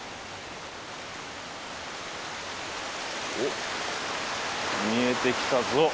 おっ見えてきたぞ。